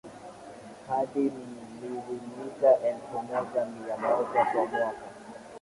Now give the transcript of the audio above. hadi milimita elfu moja mia moja kwa mwaka